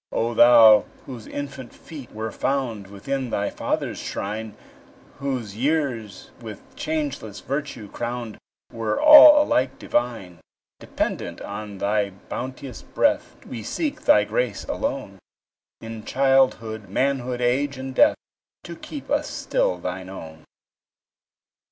O Thou, whose infant feet were found Within thy Father's shrine, Whose years, with changeless virtue crowned, Were all alike divine; Dependent on thy bounteous breath, We seek thy grace alone, In childhood, manhood, age, and death, To keep us still thine own.